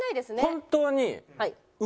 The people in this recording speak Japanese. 本当に。